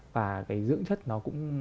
và cái dưỡng chất nó cũng